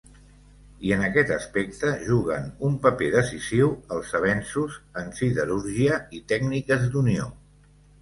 I en aquest aspecte juguen un paper decisiu els avenços en siderúrgia i tècniques d'unió.